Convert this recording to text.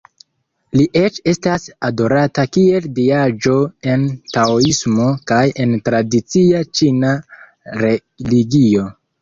Li eĉ estas adorata kiel diaĵo en taoismo kaj en tradicia ĉina religio.